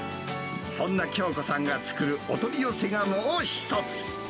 そんな京子さんが作るお取り寄せがもう一つ。